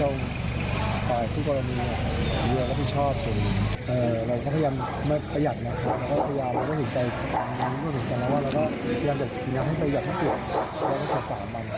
เราก็พยายามเป็นประหยัดมีประหยัดสิบพันธุ์สามวัน